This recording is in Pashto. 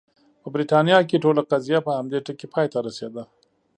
په برېټانیا کې ټوله قضیه په همدې ټکي پای ته رسېده.